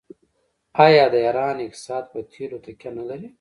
آیا د ایران اقتصاد په تیلو تکیه نلري؟